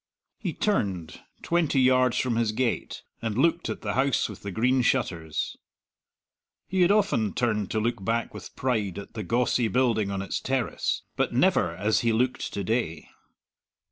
He turned, twenty yards from his gate, and looked at the House with the Green Shutters. He had often turned to look back with pride at the gawcey building on its terrace, but never as he looked to day.